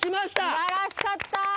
素晴らしかった。